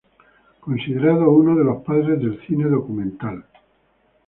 Considerado uno de los padres del cine documental.